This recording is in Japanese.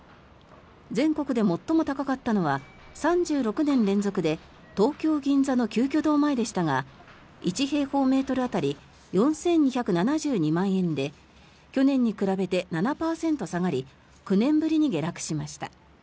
全国で最も高かったのは３６年連続で東京・銀座の鳩居堂前でしたが１平方メートル当たり４２７２万円で去年に比べて７％下がり９年ぶりに下落しました。